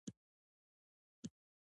د انسان او چاپیریال اړیکې خورا مهمې دي.